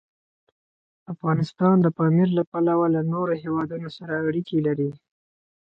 افغانستان د پامیر له پلوه له نورو هېوادونو سره اړیکې لري.